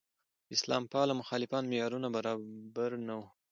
اسلام پاله مخالفان معیارونو برابر نه وو.